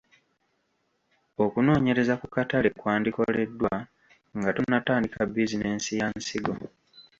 Okunoonyereza ku katale kwandikoleddwa nga tonnatandika bizinensi ya nsigo.